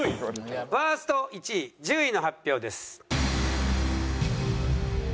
ワースト１位１０位の発表です。